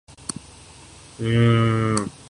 یہاں ایسی لیڈرشپ ہے؟